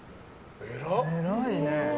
偉いね。